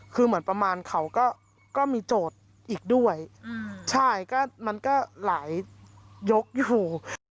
คือเหมือนประมาณเขาก็มีโจทย์อีกด้วยใช่ก็มันก็หลายยกอยู่